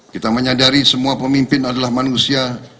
kita menyadari semua pemimpin adalah manusia